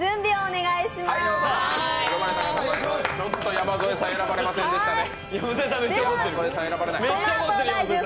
山添さん選ばれませんでしたね。